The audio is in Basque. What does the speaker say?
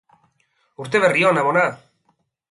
Urte berri on, amona!